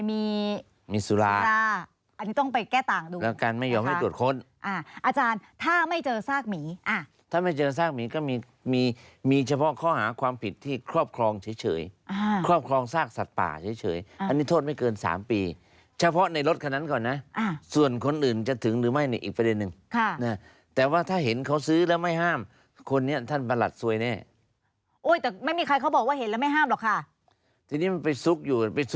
แต่ทำไมมีสุราอันนี้ต้องไปแก้ต่างดูแล้วกันไม่ยอมให้ตรวจค้นอาจารย์ถ้าไม่เจอซากหมีถ้าไม่เจอซากหมีก็มีเฉพาะเขาหาความผิดที่ครอบครองเฉยครอบครองซากสัตว์ป่าเฉยอันนี้โทษไม่เกิน๓ปีเฉพาะในรถคนนั้นก่อนนะส่วนคนอื่นจะถึงหรือไม่อีกประเด็นนึงแต่ว่าถ้าเห็นเขาซื้อแล้วไม่ห้ามคนนี้ท่านบรร